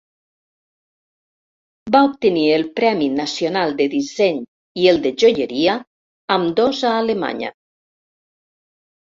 Va obtenir el Premi Nacional de disseny i el de joieria, ambdós a Alemanya.